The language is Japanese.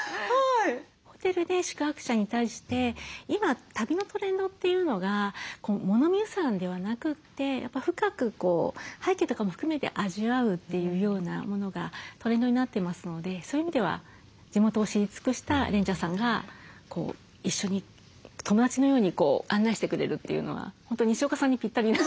ホテルで宿泊者に対して今旅のトレンドというのが物見遊山ではなくてやっぱ深く背景とかも含めて味わうというようなものがトレンドになっていますのでそういう意味では地元を知り尽くしたレンジャーさんが一緒に友達のように案内してくれるというのは本当にしおかさんにピッタリな。